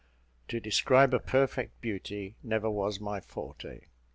To describe a perfect beauty never was my forte.